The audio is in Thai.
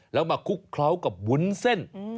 แล้วมาคลุกเคล้ากับวุ้นเส้น